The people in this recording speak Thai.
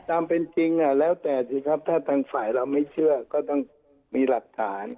ตามเป็นจริงแล้วแต่สิครับถ้าทางฝ่ายเราไม่เชื่อก็ต้องมีหลักฐาน